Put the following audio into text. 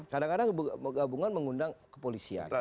kadang kadang gabungan mengundang ke polisi aja